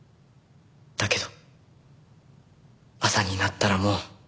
だけど朝になったらもう。